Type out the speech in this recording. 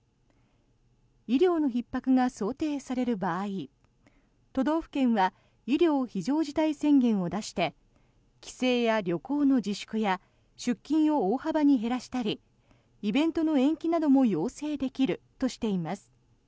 医療のひっ迫が想定される場合都道府県は医療非常事態宣言を出して帰省や旅行の自粛や出勤を大幅に減らしたりイベントの延期なども要請できるとしています。